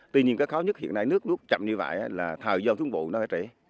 tuy nhiên cái khó nhất hiện nay nước nước chậm như vậy là thời gian xuống bụng nó sẽ trễ